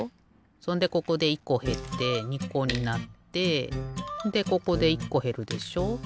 そんでここで１こへって２こになってでここで１こへるでしょ。